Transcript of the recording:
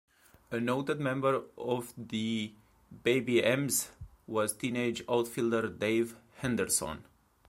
A noted member of the "Baby M's" was teenage outfielder Dave Henderson.